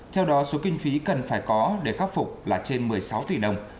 theo đó số kinh phí cần phải có để khắc phục là trên một mươi sáu tỷ đồng